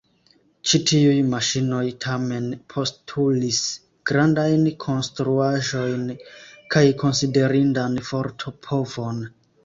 Ĉi tiuj maŝinoj tamen postulis grandajn konstruaĵojn kaj konsiderindan forto-povon.